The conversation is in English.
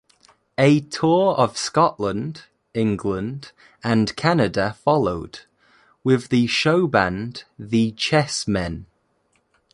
A tour of Scotland, England and Canada followed, with the showband The Chessmen.